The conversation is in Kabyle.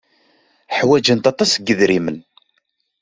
Ḥwajent aṭas n yidrimen?